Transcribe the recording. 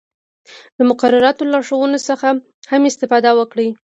د مقرراتو له لارښوونو څخه هم استفاده وکړئ.